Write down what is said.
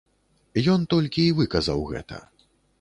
Ён толькі і выказаў гэта.